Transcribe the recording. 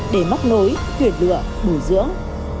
để móc lối tuyển lựa bùi dưỡng